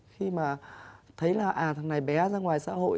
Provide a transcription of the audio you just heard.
khi mà thấy là à thằng này bé ra ngoài xã hội